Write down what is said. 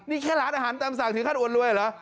นี่แค่ร้านอาหารตามสั่งถึงขั้นอวดรวยเหรอ